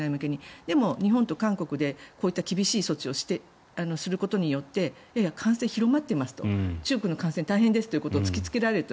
でも、日本と韓国でこういった厳しい措置をすることによっていやいや、感染広がっていますと中国の感染大変ですということを突きつけられると。